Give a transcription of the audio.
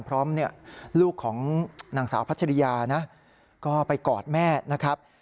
ลูกของนางสาวพัชริยานะก็ไปกอดแม่นะครับ